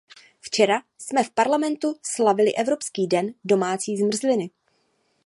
Včera jsme v Parlamentu slavili Evropský den domácí zmrzliny.